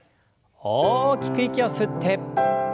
大きく息を吸って。